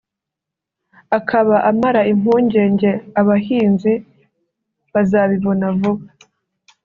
akaba amara impungenge abahinzi bazabibona vuba